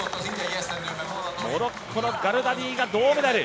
モロッコのガルダディが銅メダル。